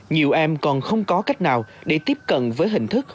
nhiều em còn không có cách nào để tiếp cận với hình thức